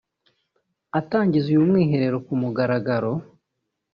Atangiza uyu mwiherero ku mugaragaro